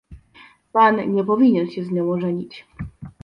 "Pan nie powinien się z nią ożenić."